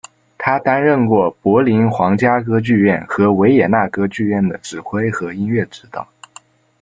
他担任过柏林皇家歌剧院和维也纳歌剧院的指挥和音乐指导。